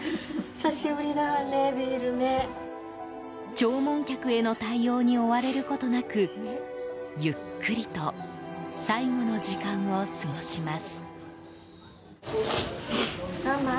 弔問客への対応に追われることなくゆっくりと最後の時間を過ごします。